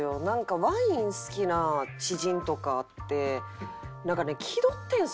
ワイン好きな知人とかってなんかね気取ってるんですよね全員が。